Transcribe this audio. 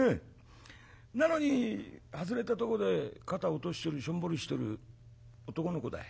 なのに外れたとこで肩落としてるしょんぼりしてる男の子だい。